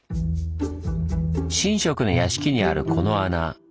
神職の屋敷にあるこの穴。